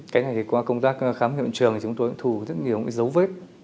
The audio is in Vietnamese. cái này qua công tác khám nghiệm trường chúng tôi cũng thu rất nhiều dấu vết